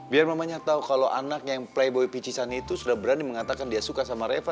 biar mamanya tahu kalau anak yang playboi picisannya itu sudah berani mengatakan dia suka sama reva